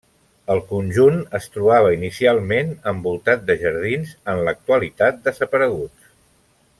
El conjunt es trobava inicialment envoltat de jardins, en l'actualitat desapareguts.